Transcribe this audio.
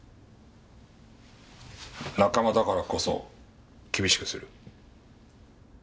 仲間だからこそ厳しくする。